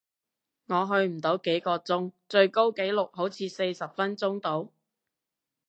我去唔到幾個鐘，最高紀錄好似四十分鐘度